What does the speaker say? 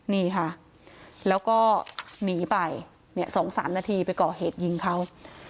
นี่ค่ะแล้วก็หนีไปเนี่ย๒๓นาทีไปก่อเหตุยิงเขา